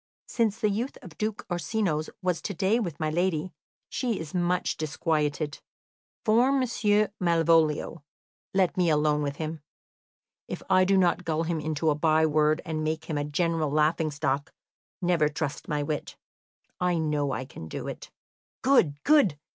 "Since the youth of Duke Orsino's was to day with my lady, she is much disquieted. For Monsieur Malvolio, let me alone with him. If I do not gull him into a by word and make him a general laughing stock, never trust my wit. I know I can do it." "Good, good!